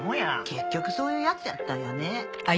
結局そういう奴やったんやね。